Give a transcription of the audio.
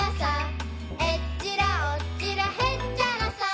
「えっちらおっちらへっちゃらさ」